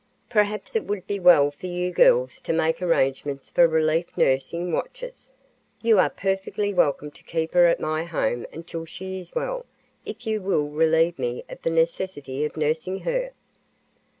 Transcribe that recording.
Perhaps it would be well for you girls to make arrangements for relief nursing watches. You are perfectly welcome to keep her at my home until she is well, if you will relieve me of the necessity of nursing her."